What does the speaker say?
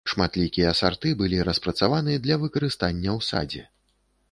Шматлікія сарты былі распрацаваны для выкарыстання ў садзе.